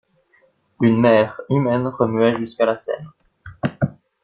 Une mer humaine remuait jusqu'à la Seine.